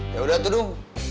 yaudah tuh tuh